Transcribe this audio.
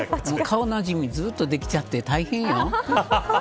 顔なじみずっとできちゃって大変よ。